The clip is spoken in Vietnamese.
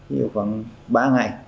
ví dụ khoảng ba ngày